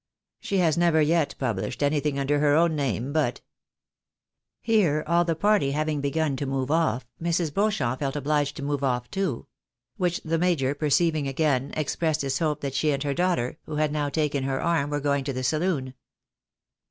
She has never yet pubhshed anything under her own name but " Here all the party having begun to move off, Mrs. Beauchamp felt obliged to move off too ; which the major perceiving, again ex pressed his hope that she and her daughter, who had now taken her arm, were going to the saloon.